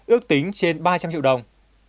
ước tính trên ba trăm linh triệu đồng